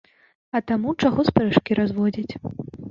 А таму чаго спрэчкі разводзіць?